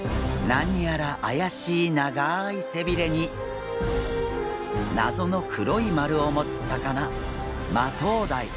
何やらあやしい長い背びれに謎の黒いまるを持つ魚マトウダイ。